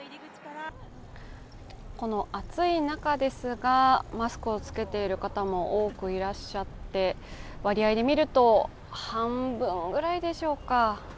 暑い中ですが、マスクを着けている方も多くいらっしゃって、割合で見ると半分くらいでしょうか。